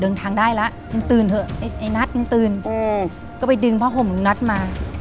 เดินทางได้ละลุงตื่นไอ้ไอ้นัดลุงตื่นอืมก็ไปดึงผ้าห่มลุงนัดมา